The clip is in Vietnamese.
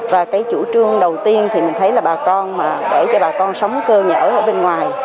và cái chủ trương đầu tiên thì mình thấy là bà con mà để cho bà con sống cơ nhở ở bên ngoài